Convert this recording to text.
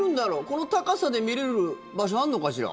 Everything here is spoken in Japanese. この高さで見れる場所あるのかしら。